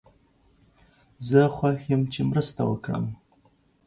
زه خوښ یم چې مرسته وکړم.